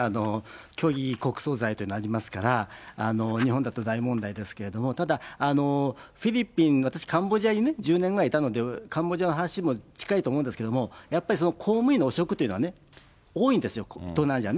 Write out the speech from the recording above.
虚偽告訴罪というのがありますから、日本だと大問題ですけれども、ただ、フィリピンの、私、カンボジアに１０年ぐらいいたので、カンボジアの話も近いと思うんですけれども、やっぱり公務員の汚職というのは多いんですよ、東南アジアね。